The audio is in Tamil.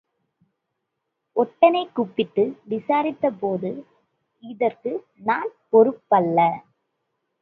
ஒட்டனைக் கூப்பிட்டு விசாரித்தபோது, இதற்கு நான் பொறுப்பு அல்ல.